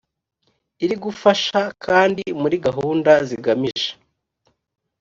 iri gufasha kandi muri gahunda zigamije